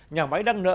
nhà máy đang nợ